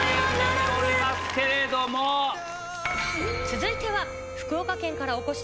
続いては。